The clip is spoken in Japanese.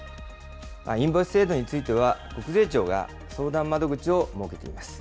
インボイス制度については、国税庁が相談窓口を設けています。